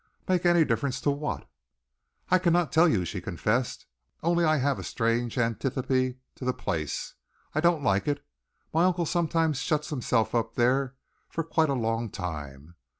"Make any difference to what?" "I cannot tell you," she confessed. "Only I have a strange antipathy to the place. I don't like it. My uncle sometimes shuts himself up here for quite a long time.